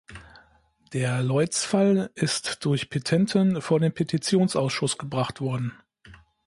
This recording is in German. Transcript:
Der Lloyd's-Fall ist durch Petenten vor den Petitionsausschuss gebracht worden.